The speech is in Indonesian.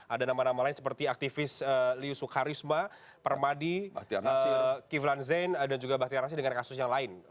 ada nama nama lain seperti aktivis liusuk harisma permadi kivlan zain dan juga bakhtian nasir dengan kasus yang lain